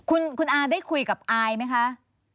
คุณอาได้คุยกับอายไหมคะ